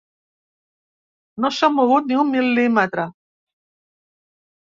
No s’ha mogut ni un mil·límetre.